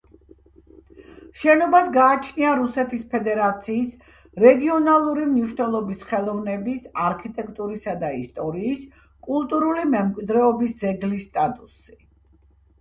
შენობას გააჩნია რუსეთის ფედერაციის რეგიონალური მნიშვნელობის ხელოვნების, არქიტექტურისა და ისტორიის კულტურული მემკვიდრეობის ძეგლის სტატუსი.